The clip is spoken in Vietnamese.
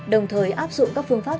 đồng thời áp dụng các phương pháp